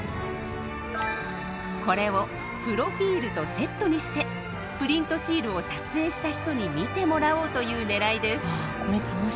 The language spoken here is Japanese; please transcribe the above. これをプロフィールとセットにしてプリントシールを撮影した人に見てもらおうというねらいです。